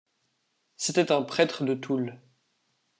C'était un prêtre de Toul.